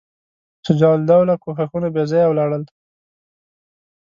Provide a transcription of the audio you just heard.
شجاع الدوله کوښښونه بېځایه ولاړل.